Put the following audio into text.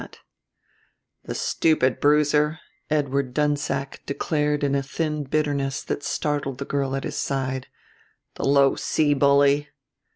V "The stupid bruiser," Edward Dunsack declared in a thin bitterness that startled the girl at his side. "The low sea bully!"